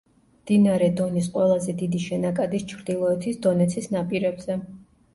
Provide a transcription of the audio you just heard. მდინარე დონის ყველაზე დიდი შენაკადის ჩრდილოეთის დონეცის ნაპირებზე.